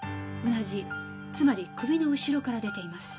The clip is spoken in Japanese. つまり首の後ろから出ています。